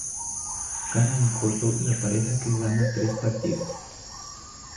Gana un Coto la pareja que gana tres Partidas.